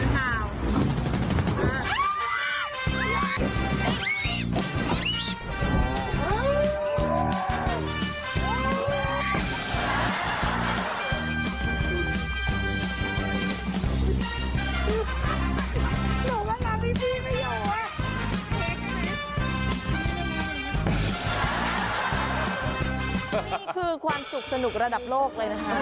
นี่คือความสุขสนุกระดับโลกเลยนะคะ